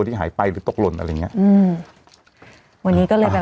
ที่หายไปหรือตกหล่นอะไรอย่างนั้น